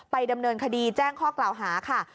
ดำเนินคดีแจ้งข้อกล่าวหาค่ะ